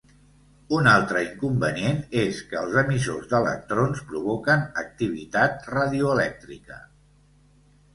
Un altre inconvenient és que els emissors d'electrons provoquen activitat radioelèctrica.